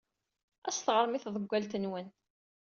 Ad as-teɣrem i tḍewwalt-nwen.